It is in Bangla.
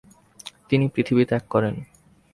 তিনি পৃথিবী ত্যাগ করেন।